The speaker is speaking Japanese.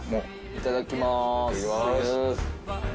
いただきます。